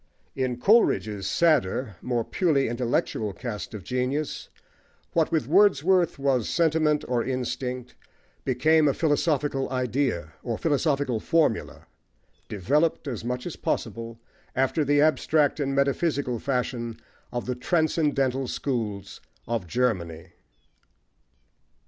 In Coleridge's sadder, more purely intellectual, cast of genius, what with Wordsworth was sentiment or instinct became a philosophical idea, or philosophical formula, developed, as much as possible, after the abstract and metaphysical fashion of the transcendental schools of Germany.